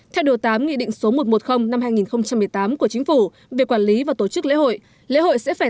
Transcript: theo điều tám nghị định số một trăm một mươi năm hai nghìn một mươi tám của chính phủ về quản lý và tổ chức lễ hội lễ hội sẽ phải